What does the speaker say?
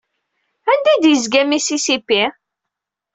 Anda i d-yezga Mississippi?